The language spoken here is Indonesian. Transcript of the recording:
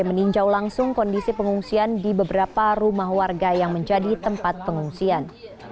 meninjau langsung kondisi pengungsian di beberapa rumah warga yang menjadi tempat pengungsian